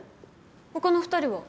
他の２人は？